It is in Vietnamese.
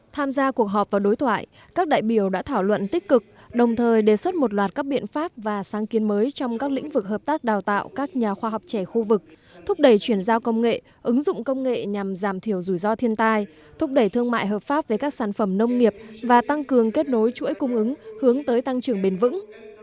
tham gia cuộc họp và đối thoại các đại biểu đã thảo luận tích cực đồng thời đề xuất một loạt các biện pháp và sáng kiến mới trong các lĩnh vực hợp tác đào tạo các nhà khoa học trẻ khu vực thúc đẩy chuyển giao công nghệ ứng dụng công nghệ nhằm giảm thiểu rủi ro thiên tai thúc đẩy thương mại hợp pháp về các sản phẩm nông nghiệp và tăng cường kết nối chuỗi cung ứng hướng tới tăng trưởng bền vững